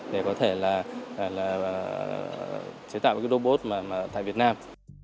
để có thể là chế tạo cái robot tại việt nam